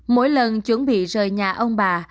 mỗi lần chuẩn bị rời nhà ông bà